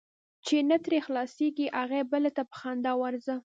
چی نه ترې خلاصیږې، هغی بلا ته په خندا ورځه .